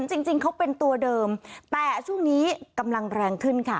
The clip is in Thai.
จริงเขาเป็นตัวเดิมแต่ช่วงนี้กำลังแรงขึ้นค่ะ